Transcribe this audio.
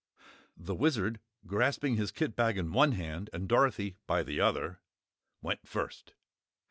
The Wizard, grasping his kit bag in one hand and Dorothy by the other, went first.